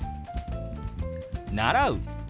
「習う」。